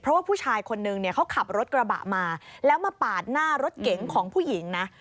เพราะว่าผู้ชายคนนึงเนี่ยเขาขับรถกระบะมาแล้วมาปาดหน้ารถเก๋งของผู้หญิงนะ